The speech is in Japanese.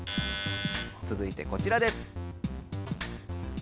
つづいてこちらです。